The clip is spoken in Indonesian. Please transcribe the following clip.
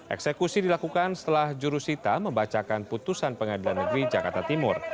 eksekusi dilakukan setelah jurusita membacakan putusan pengadilan negeri jakarta timur